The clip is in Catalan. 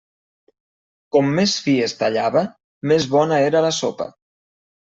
Com més fi es tallava, més bona era la sopa.